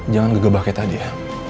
jangan gegebah kayak tadi ya